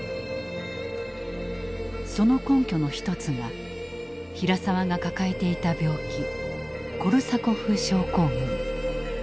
その根拠の一つが平沢が抱えていた病気コルサコフ症候群。